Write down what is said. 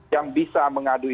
yang bisa mengaduinya